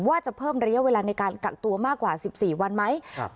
ว่าจะเพิ่มระยะเวลาในการกักตัวมากกว่า๑๔วันไหม